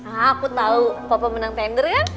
aku tahu papa menang tender kan